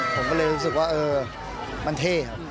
ผมก็เลยรู้สึกว่าเออมันเท่ครับ